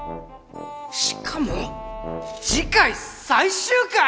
しかも次回最終回！？